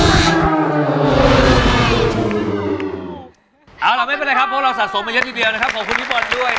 ไมไม่เป็นไรครับเราสะสมกันเร็วนะครับขอบคุณที่พอดีด้วยนะครับ